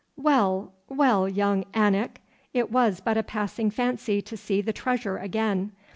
'Well, well, young Anak! it was but a passing fancy to see the treasure again.